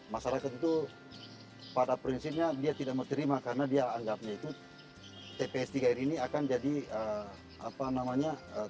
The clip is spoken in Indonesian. masyarakat itu pada prinsipnya dia tidak menerima karena dia anggapnya itu tps tiga r ini akan jadi apa namanya